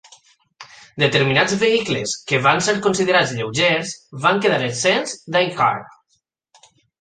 Determinats vehicles que van ser considerats lleugers van quedar exempts d'AirCare.